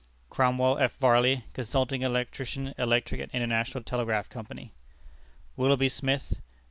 Cromwell F. Varley, Consulting Electrician Electric and International Telegraph Co. Willoughby Smith.